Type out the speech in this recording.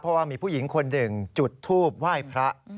เพราะว่ามีผู้หญิงคนหนึ่งจุดทูบไหว้พระ